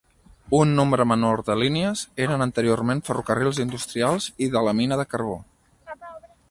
Un nombre menor de línies eren anteriorment ferrocarrils industrials i de la mina de carbó.